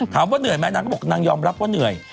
เหนื่อยไหมนางก็บอกนางยอมรับว่าเหนื่อย